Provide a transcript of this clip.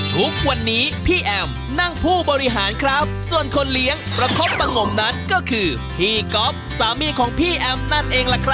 ทุกวันนี้พี่แอมนั่งผู้บริหารครับส่วนคนเลี้ยงประคบประงมนั้นก็คือพี่ก๊อฟสามีของพี่แอมนั่นเองล่ะครับ